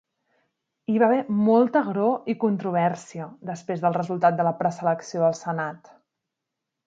Hi va haver molta agror i controvèrsia després del resultat de la preselecció del Senat.